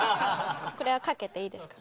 これはかけていいですか？